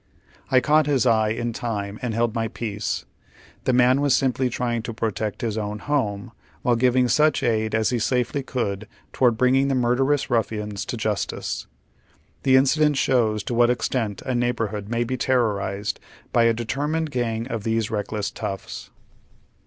I caught his eye in time and held my peace. The man was simply trying to protect liis own home, while giving such aid as he safely could toward bi'inging the murderous ruffians to justice. The incident shows to what extent a neighborhood may be terrorized by a determined gang of these reckless toughs.